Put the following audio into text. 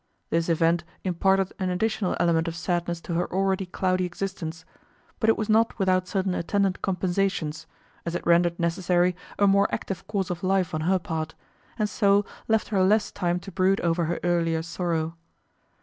This event imparted an additional element of sadness to her already cloudy existence; but it was not without certain attendant compensations, as it rendered necessary a more active course of life on her part, and so left her less time to brood over her earlier sorrow.